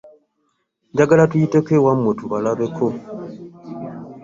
Njagala tuyiteko ewammwe tubalabeko.